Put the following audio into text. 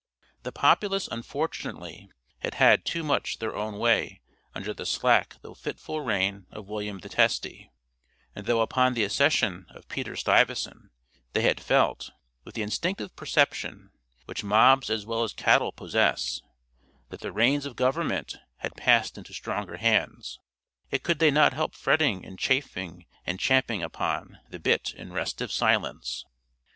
The populace unfortunately had had too much their own way under the slack though fitful reign of William the Testy; and though upon the accession of Peter Stuyvesant they had felt, with the instinctive perception which mobs as well as cattle possess, that the reins of government had passed into stronger hands, yet could they not help fretting and chafing and champing upon, the bit in restive silence.